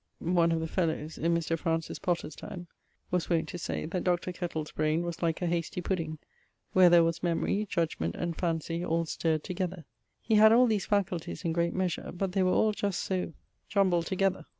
one of the fellowes (in Mr. Francis Potter's time) was wont to say, that Dr. Kettel's braine was like a hasty pudding, where there was memorie, judgement, and phancy all stirred together. He had all these faculties in great measure, but they were all just so jumbled together.